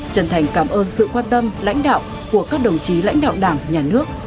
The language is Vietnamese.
trần thành cảm ơn sự quan tâm lãnh đạo của các đồng chí lãnh đạo đảng nhà nước